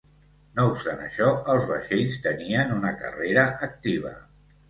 No obstant això, els vaixells tenien una carrera activa.